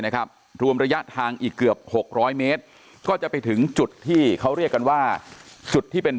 นะครับรวมระยะทางอีกเกือบหกร้อยเมตรก็จะไปถึงจุดที่เขาเรียกกันว่าจุดที่เป็น